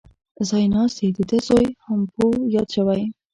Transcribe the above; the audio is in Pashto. ځای ناست یې دده زوی هامپو یاد شوی.